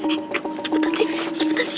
eh cepetan sih cepetan sih